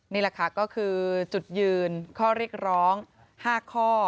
นี่แหละค่ะก็คือจุดยืนข้อเรียกร้อง๕ข้อ